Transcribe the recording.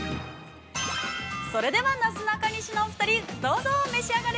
◆それでは、なすなかにしのお二人、どうぞ召し上がれ。